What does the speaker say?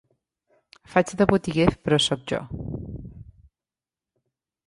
Faig de botiguer, però soc jo.